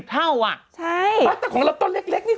๑๐เท่าว่ะแต่ของเราต้นเล็กเนี้ย